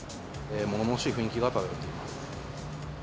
ものものしい雰囲気が漂っています。